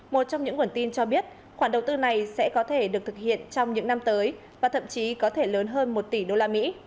một trong những nguồn tin cho biết khoản đầu tư này sẽ có thể được thực hiện trong những năm tới và thậm chí có thể lớn hơn một tỷ đô la mỹ